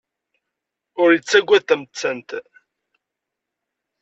Ur yettagad tamettant.